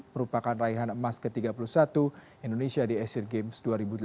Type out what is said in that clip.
merupakan raihan emas ke tiga puluh satu indonesia di asian games dua ribu delapan belas